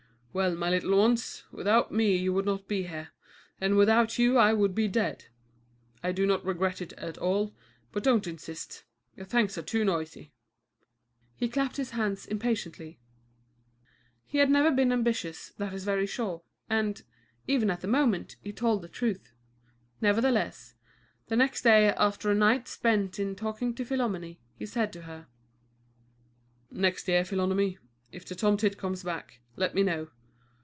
"Well, my little ones, without me you would not be here, and without you I would be dead. I do not regret it at all, but don't insist. Your thanks are too noisy." He clapped his hands impatiently. He had never been ambitious, that is very sure, and, even at that moment, he told the truth. Nevertheless, the next day, after a night spent in talking to Philomène, he said to her: "Next year, Philomène, if the tomtit comes back, let me know.